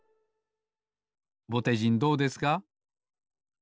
ぼてじんどうですか？